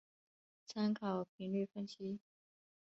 参考频率分析。